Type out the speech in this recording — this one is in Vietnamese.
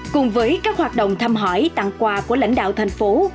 cùng với các hoạt động thăm hỏi tặng quà của lãnh đạo thành phố